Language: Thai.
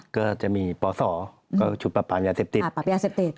ก็จะมีปศก็ชุดปราปยาเซปติด